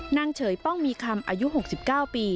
เฉยป้องมีคำอายุ๖๙ปี